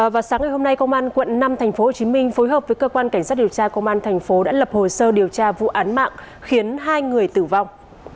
vào sáng ngày hôm nay công an quận năm tp hcm phối hợp với cơ quan cảnh sát điều tra công an thành phố đã lập hồ sơ điều tra vụ án mạng khiến hai người tử vong